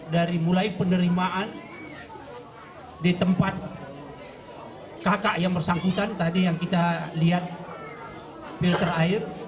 dari mulai penerimaan di tempat kakak yang bersangkutan tadi yang kita lihat filter air